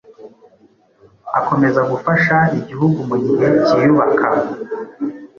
akomeza gufasha Igihugu mu gihe kiyubaka,